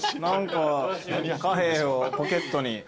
貨幣をポケットに。